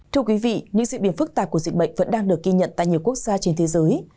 thưa quý vị những diễn biến phức tạp của dịch bệnh vẫn đang được ghi nhận tại nhiều quốc gia trên thế giới